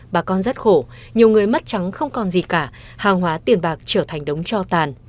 bà con rất khổ nhiều người mất trắng không còn gì cả hàng hóa tiền bạc trở thành đống cho tàn